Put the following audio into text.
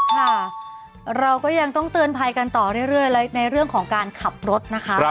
ค่ะเราก็ยังต้องเตือนภัยกันต่อเรื่อยและในเรื่องของการขับรถนะคะ